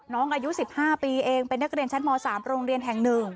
น้องอายุ๑๕ปีเองเป็นนักเรียนชั้นม๓โรงเรียนแห่ง๑